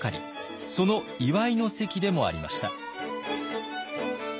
その祝いの席でもありました。